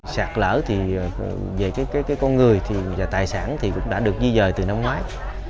sạt lở thì về cái con người và tài sản thì cũng đã được di rời từ năm ngoái